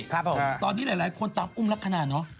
ครับผมตอนนี้หลายคนตามอุ้มลักษณะเนาะ